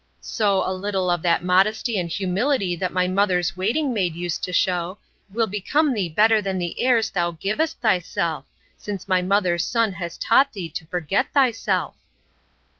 —So, a little of that modesty and humility that my mother's waiting maid used to shew, will become thee better than the airs thou givest thyself, since my mother's son has taught thee to forget thyself.